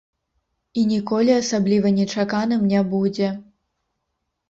І ніколі асабліва нечаканым не будзе.